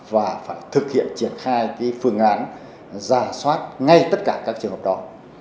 và phải thực hiện triển khai phương án giả soát ngay tất cả các trường hợp đó